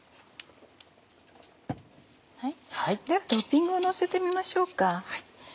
ではトッピングをのせてみましょうか。